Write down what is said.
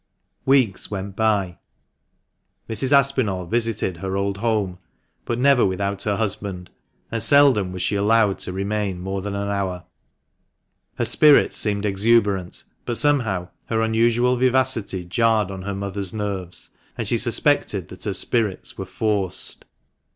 Weeks went by. Mrs. Aspinall visited her old home, but never without her husband ; and seldom was she allowed to THB MANCHESTER MAN. jgi remain more than an hour. Her spirits seemed exuberant, but somehow her unusual vivacity jarred on her mother's nerves, and she suspected that her spirits were forced.